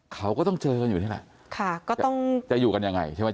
เขาก็ต้องเจอกันอยู่นี่แหละค่ะก็ต้องจะอยู่กันยังไงใช่ไหม